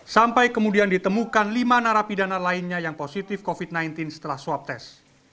sampai kemudian ditemukan lima narapidana lainnya yang positif covid sembilan belas setelah swab test